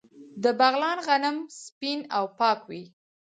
د بغلان غنم سپین او پاک وي.